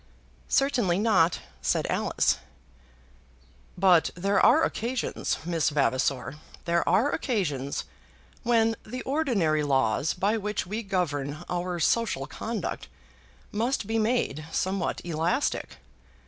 "Certainly not," said Alice. "But there are occasions, Miss Vavasor; there are occasions when the ordinary laws by which we govern our social conduct must be made somewhat elastic."